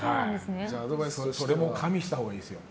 それも加味したほうがいいですよ。